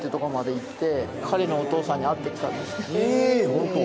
ホント？